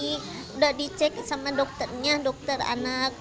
sudah dicek sama dokternya dokter anak